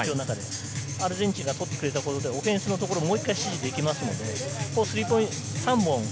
アルゼンチンが取ってくれたところで、オフェンスのところをもう一度指示できます。